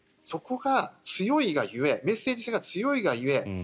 そこが強いが故メッセージ性が強いが故